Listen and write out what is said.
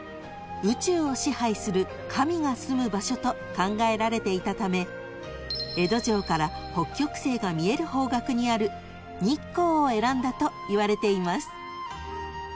［と考えられていたため江戸城から北極星が見える方角にある日光を選んだといわれています］